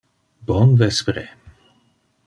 Bon vespere.